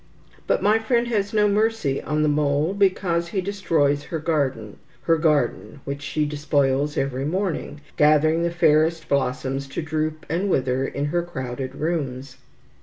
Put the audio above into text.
But my friend has no mercy on the mole because he destroys her garden, her garden which she despoils every morning, gathering its fairest blossoms to droop and wither in her crowded rooms.